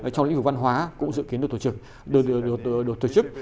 trong lĩnh vực văn hóa cũng dự kiến được tổ chức